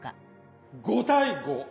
５対５。